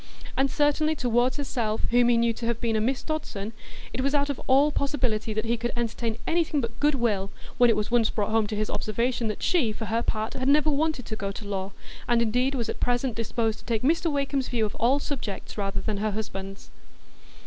And certainly toward herself, whom he knew to have been a Miss Dodson, it was out of all possibility that he could entertain anything but good will, when it was once brought home to his observation that she, for her part, had never wanted to go to law, and indeed was at present disposed to take Mr Wakem's view of all subjects rather than her husband's.